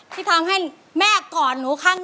ที่ทำให้แม่กอดฉันเอง